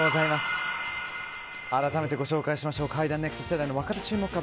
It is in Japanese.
改めてご紹介しましょう怪談ＮＥＸＴ世代の若手注目株